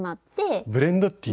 ブレンドティー。